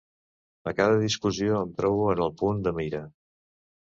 A cada discussió em trobo en el punt de mira.